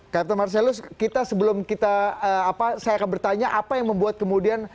capta marcelus kita sebelum kita saya akan bertanya apa yang membuat kemudian